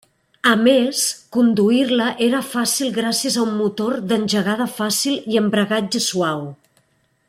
A més, conduir-la era fàcil gràcies a un motor d'engegada fàcil i embragatge suau.